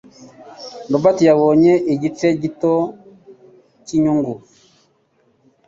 Robert yabonye igice gito cyinyungu.